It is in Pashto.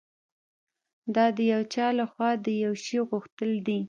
دا د یو چا لهخوا د یوه شي غوښتل دي